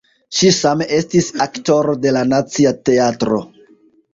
Ŝi same estis aktoro de la Nacia Teatro (Pest).